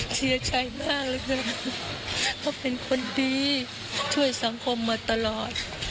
เสียใจมากเลยค่ะเขาเป็นคนดีช่วยสังคมมาตลอด